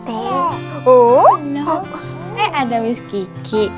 eh ada miss kiki